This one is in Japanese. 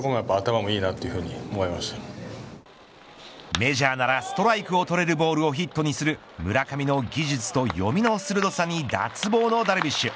メジャーならストライクを取れるボールをヒットにする村上の技術と読みの鋭さに脱帽のダルビッシュ。